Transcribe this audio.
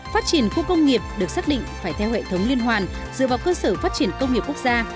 phát triển khu công nghiệp được xác định phải theo hệ thống liên hoàn dựa vào cơ sở phát triển công nghiệp quốc gia